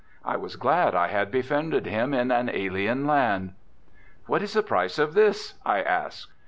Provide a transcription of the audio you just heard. I was glad I had befriended him in an alien land. "What is the price of this?" I asked.